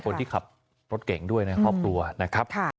คนที่ขับรถเก่งด้วยในครอบครัวนะครับ